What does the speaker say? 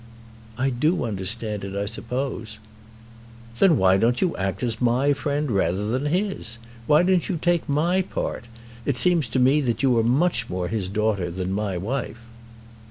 "I do understand it, I suppose." "Then why don't you act as my friend rather than his? Why don't you take my part? It seems to me that you are much more his daughter than my wife."